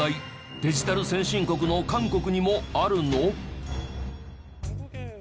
デジタル先進国の韓国にもあるの？